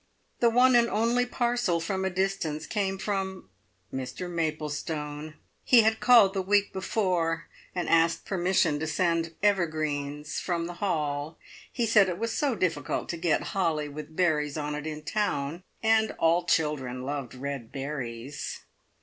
The one and only parcel from a distance came from Mr Maplestone! He had called the week before, and asked permission to send evergreens from the "Hall". He said it was so difficult to get holly with berries on it in town, and all children loved red berries.